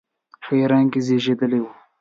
په ایران کې زېږېدلی وو.